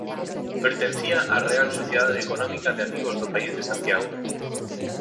Pertencía á Real Sociedade Económica de Amigos do País de Santiago.